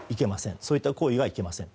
そういった行為はいけません。